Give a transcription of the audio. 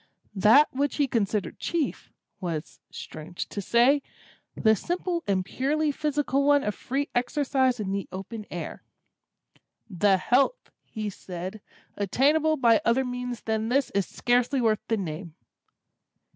That which he considered chief, was (strange to say!) the simple and purely physical one of free exercise in the open air. "The health," he said, "attainable by other means than this is scarcely worth the name."